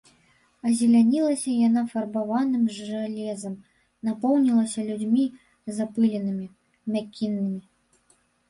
Азелянілася яна фарбаваным жалезам, напоўнілася людзьмі запыленымі, мякіннымі.